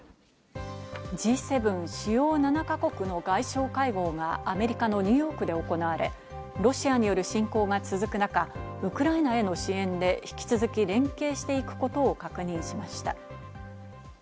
Ｇ７＝主要７か国の外相会合がアメリカのニューヨークで行われ、ロシアによる侵攻が続く中、ウクライナへの支援で引き続き連携していくことを確認しました。